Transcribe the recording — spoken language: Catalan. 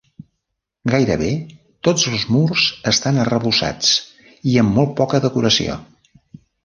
Gairebé tots els murs estan arrebossats i amb molt poca decoració.